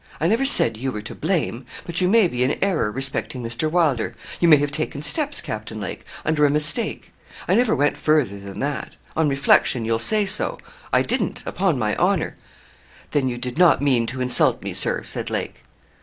I never said you were to blame; but you may be in error respecting Mr. Wylder. You may have taken steps, Captain Lake, under a mistake. I never went further than that. On reflection, you'll say so. I didn't upon my honour.' 'Then you did not mean to insult me, Sir,' said Lake.